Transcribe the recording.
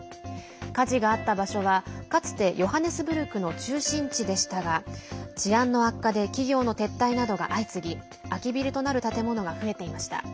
火事があった場所は、かつてヨハネスブルクの中心地でしたが治安の悪化で企業の撤退などが相次ぎ空きビルとなる建物が増えていました。